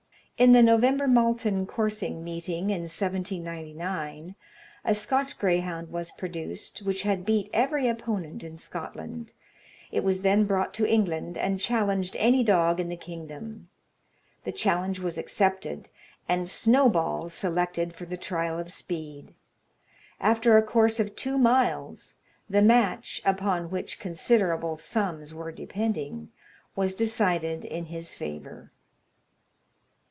In the November Malton coursing meeting in 1799, a Scotch greyhound was produced, which had beat every opponent in Scotland. It was then brought to England, and challenged any dog in the kingdom. The challenge was accepted, and Snowball selected for the trial of speed; after a course of two miles, the match (upon which considerable sums were depending) was decided in his favour.